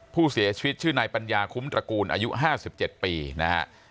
ผู้เสียชีวิตชื่อในปัญญาคุ้มตระกูลอายุห้าสิบเจ็ดปีนะฮะ